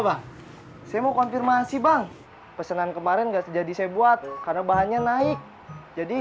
bang saya mau konfirmasi bang pesanan kemarin enggak terjadi saya buat karena bahannya naik jadi